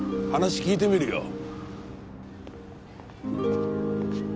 話聞いてみるよ。